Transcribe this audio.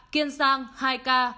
kiên giang hai ca